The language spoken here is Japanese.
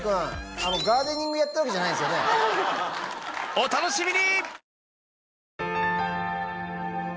お楽しみに！